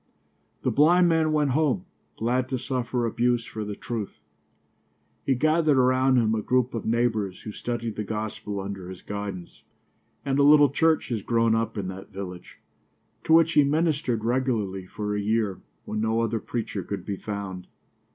The blind man went home, glad to suffer abuse for the truth. He gathered around him a group of neighbors who studied the gospel under his guidance, and a little church has grown up in that village, to which he ministered regularly for a year, when no other preacher could be found.